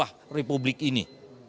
wah republik ini